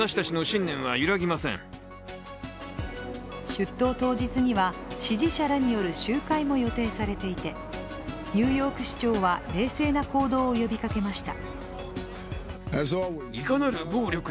出頭当日には支持者らによる集会も予定されていてニューヨーク市長は冷静な行動を呼びかけました。